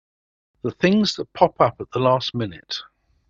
The things that pop up at the last minute!